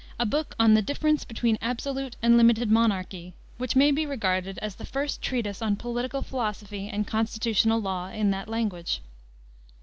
a book on the Difference between Absolute and Limited Monarchy, which may be regarded as the first treatise on political philosophy and constitutional law in the language.